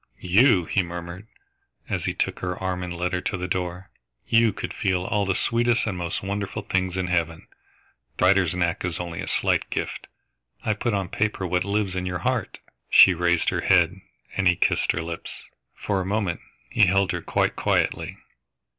"You!" he murmured, as he took her arm and led her to the door. "You could feel all the sweetest and most wonderful things in heaven. The writer's knack is only a slight gift. I put on paper what lives in your heart." She raised her head, and he kissed her lips. For a moment he held her quite quietly.